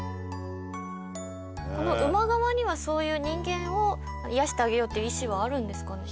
馬側には、そういう人間を癒やしてあげようっていう意思はあるんですかね？